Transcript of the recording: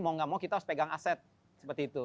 mau nggak mau kita harus pegang aset seperti itu